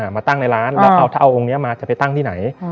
มาตั้งในร้านแล้วเอาถ้าเอาองค์นี้มาจะไปตั้งที่ไหน